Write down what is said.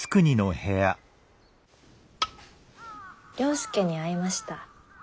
了助に会いました。